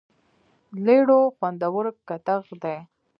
لیړو خوندور کتغ دی.